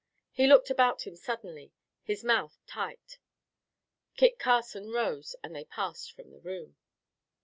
He looked about him suddenly, his mouth tight. Kit Carson rose and they passed from the room.